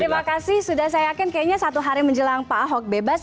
terima kasih sudah saya yakin kayaknya satu hari menjelang pak ahok bebas